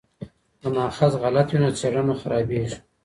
که ماخذ غلط وي نو څېړنه خرابیږي.